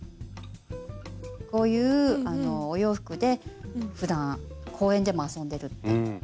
こういうお洋服でふだん公園でも遊んでるっていう。